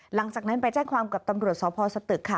หลังจากนั้นไปแจ้งความกับตำรวจสพสตึกค่ะ